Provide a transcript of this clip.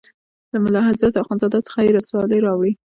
له ملا حضرت اخوند زاده څخه یې رسالې راوړې.